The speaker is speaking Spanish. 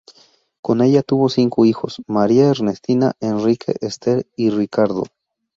Con ella tuvo cinco hijos: María, Ernestina, Enrique, Esther y Ricardo.